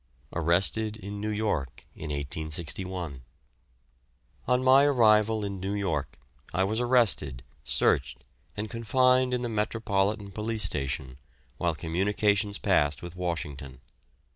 ARRESTED IN NEW YORK IN 1861. On my arrival in New York I was arrested, searched, and confined in the Metropolitan Police Station while communications passed with Washington.